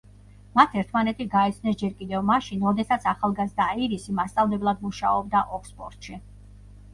მათ ერთმანეთი გაიცნეს ჯერ კიდევ მაშინ, როდესაც ახალგაზრდა აირისი მასწავლებლად მუშაობდა ოქსფორდში.